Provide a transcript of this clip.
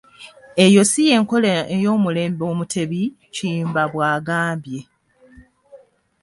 "Eyo ssi yenkola ey'omulembe Omutebi,” Kiyimba bwagambye.